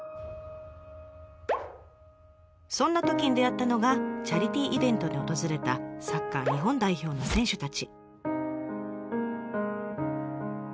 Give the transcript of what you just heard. そんなときに出会ったのがチャリティーイベントに訪れたサッカー日本代表の選手たち。